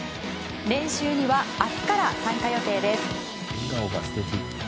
練習には明日から参加予定です。